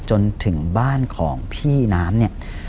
จนถึงบ้านของพี่น้ำเนี่ย